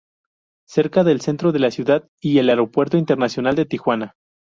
Cerca del centro de la ciudad y el Aeropuerto Internacional de Tijuana.